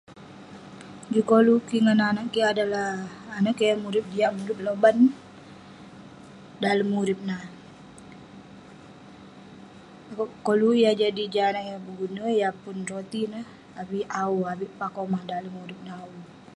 Juk koluk kik ngan anag kik adalah, anag kik yah murip jiak murip loban dalem urip nah, akouk koluk yah jadi jah anag yah berguna, yah pun roti neh avik awu..avik pah komah dalem urip neh awu